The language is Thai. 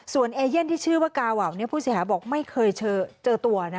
ส่วนเอเย่นที่ชื่อว่ากาวาวผู้เสียหายบอกไม่เคยเจอตัวนะ